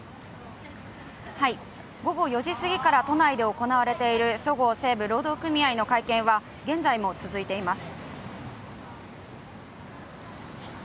午後４時過ぎから都内で行われているそごう・西武の労働組合の会見は現在も続いています。